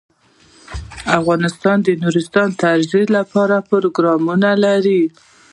افغانستان د نورستان د ترویج لپاره پروګرامونه لري.